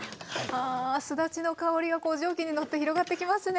あすだちの香りがこう蒸気にのって広がってきますね。